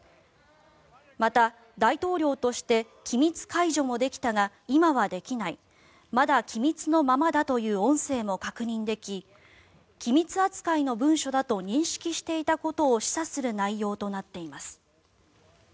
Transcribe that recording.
また、大統領として機密解除もできたが今はできないまだ機密のままだという音声も確認でき機密扱いの文書だと認識していたことを示唆する内容となっています。